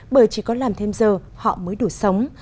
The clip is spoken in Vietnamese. bởi chỉ có làm thêm giờ họ mới đủ sống